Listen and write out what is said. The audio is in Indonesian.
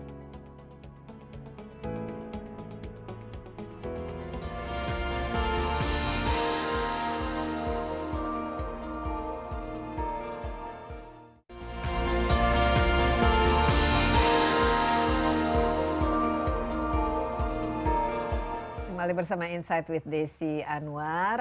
kembali bersama insight with desi anwar